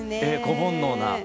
子ぼんのうな。